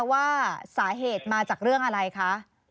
ว่าสาเหตุมาจากเรื่องอะไรคะ